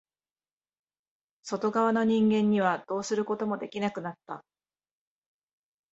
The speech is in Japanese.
外側の人間にはどうすることもできなくなった。